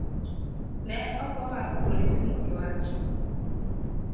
Ne ok omak polisno gi wach